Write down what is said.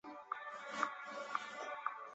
尖叶假龙胆为龙胆科假龙胆属下的一个种。